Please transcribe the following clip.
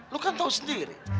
lu kan tau sendiri